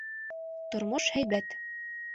Тормош һәйбәт.